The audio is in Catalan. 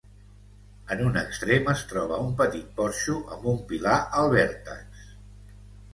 En un extrem es troba un petit porxo amb un pilar al vèrtex.